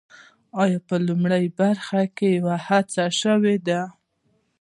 په لومړۍ برخه کې یوه هڅه شوې ده.